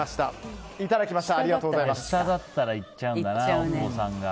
下だったらいっちゃうんだな大久保さんが。